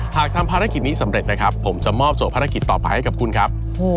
หากทำภารกิจนี้สำเร็จนะครับผมจะมอบโสดภารกิจต่อไปให้กับคุณครับ